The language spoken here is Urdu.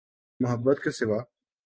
محبت کے سوا۔